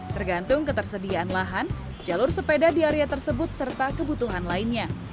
tergantung ketersediaan lahan jalur sepeda di area tersebut serta kebutuhan lainnya